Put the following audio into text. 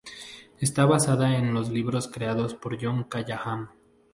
Está basada en los libros creados por John Callahan.